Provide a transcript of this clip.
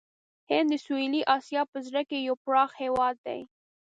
هند د سویلي آسیا په زړه کې یو پراخ هېواد دی.